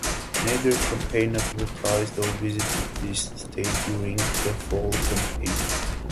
Neither campaign advertised or visited this state during the fall campaign.